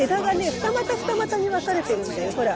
二股二股に分かれてるんだよほら。